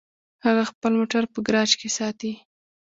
هغه خپل موټر په ګراج کې ساتي